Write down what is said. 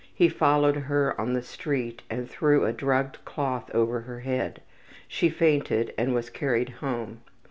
He followed her on the street and threw a drugged cloth over her head. She fainted and was carried home.